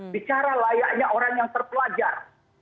bicara layaknya orang yang terpelajar